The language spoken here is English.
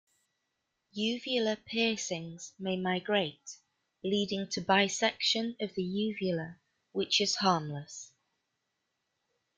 Uvula piercings may migrate leading to bisection of the uvula, which is harmless.